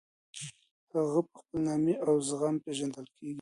هغه په خپل نامې او زغم پېژندل کېدی.